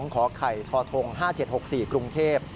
ขอไข่ทท๕๗๖๔กรุงเทพฯ